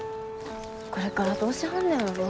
これからどうしはんねやろな。